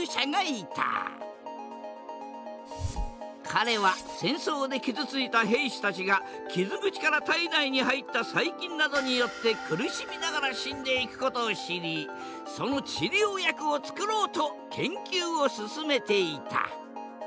彼は戦争で傷ついた兵士たちが傷口から体内に入った細菌などによって苦しみながら死んでいくことを知りその治療薬をつくろうと研究を進めていた。